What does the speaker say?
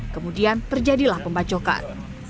kemudian terjadilah pembacokan